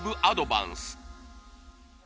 アドバンス